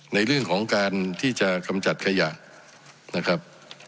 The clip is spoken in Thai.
ในเรื่องของการที่จะกำจัดขยะนะครับ